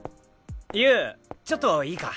悠宇ちょっといいか？